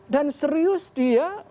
dan serius dia